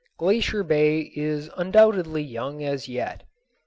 Glacier Bay is undoubtedly young as yet.